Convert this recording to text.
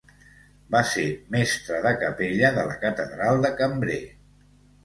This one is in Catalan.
Va ser mestre de capella de la catedral de Cambrai.